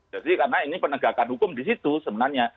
jadi karena ini penegakan hukum disitu sebenarnya